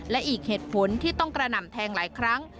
และอีกเหตุผลที่ต้องกระหน่ำแทงหลายครั้ง